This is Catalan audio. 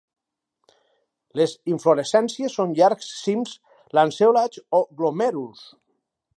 Les inflorescències són llargs cims lanceolats o glomèruls.